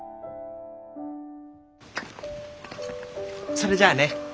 それじゃあね。